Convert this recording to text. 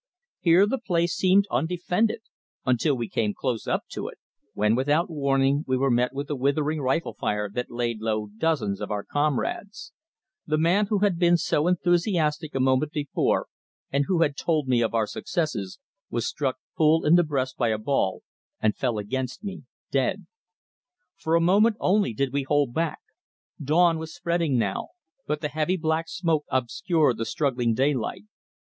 Here the place seemed undefended until we came close up to it, when without warning we were met with a withering rifle fire that laid low dozens of our comrades. The man who had been so enthusiastic a moment before and who had told me of our successes, was struck full in the breast by a ball and fell against me dead. For a moment only did we hold back. Dawn was spreading now, but the heavy black smoke obscured the struggling daylight.